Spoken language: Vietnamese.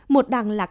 một đằng lạc